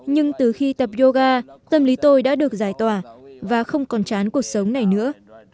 nhưng từ khi tập yoga tâm lý tôi đã được giải tỏa và không còn chán cuộc sống này nữa